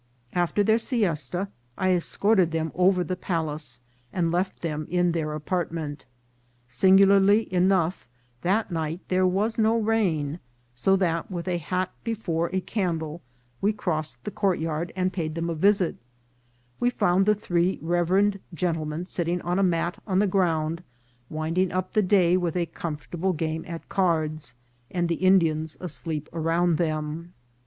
After their siesta I escorted them over the palace, and left them in their apartment. Singu larly enough, that night there was no rain ; so that, with a hat before a candle, we crossed the courtyard and paid them a visit ; we found the three reverend gentle men sitting on a mat on the ground, winding up the day with a comfortable game at cards, and the Indians asleep around them.